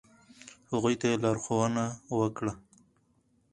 ، هغوی ته یی لارښونه وکړه ل